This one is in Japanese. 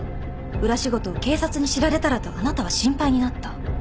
裏仕事を警察に知られたらとあなたは心配になった。